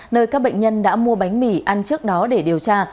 nơi các bệnh nhân đã mua bánh mì ăn trước đó để điều tra